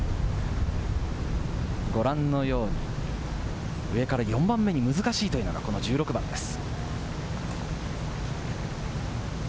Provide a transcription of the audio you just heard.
ご覧のように上から４番目に難しいというのが、この１６番です。